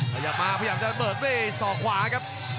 พยายามมาพยายามจะเปิดด้วยส่อขวาครับ